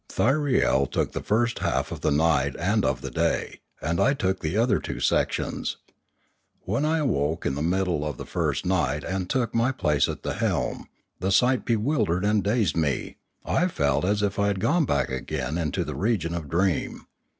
Thyriel took the first half of the night and of the day, and I took the other two sections. When I awoke in the middle of the first night and took my place at the helm, the sight bewildered and dazed me; I felt as if I had gone back again into the region of dream.